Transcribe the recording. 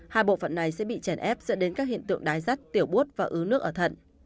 hai bộ phận này sẽ bị chèn ép dẫn đến các hiện tượng đái rắt tiểu bút và ứ nước ở thận